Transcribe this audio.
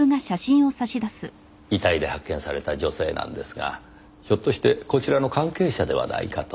遺体で発見された女性なんですがひょっとしてこちらの関係者ではないかと。